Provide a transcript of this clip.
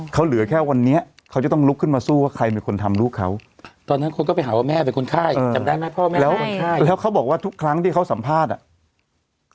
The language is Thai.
เขาเหลือแค่วันนี้เขาจะต้องลุกขึ้นมาสู้ว่าใครเป็นคนทำลูกเขาตอนนั้นคนก็ไปหาว่าแม่เป็นคนไข้จำได้ไหมพ่อแม่แล้วคนไข้แล้วเขาบอกว่าทุกครั้งที่เขาสัมภาษณ์อ่ะ